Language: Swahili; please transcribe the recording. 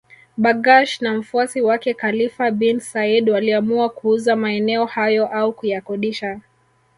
Bargash na mfuasi wake Khalifa bin Said waliamua kuuza maeneo hayo au kuyakodisha